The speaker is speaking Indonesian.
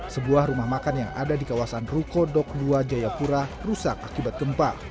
sebuah rumah makan yang ada di kawasan ruko dok dua jayapura rusak akibat gempa